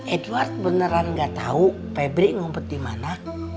edward beneran gak tahu febri ngumpet di mana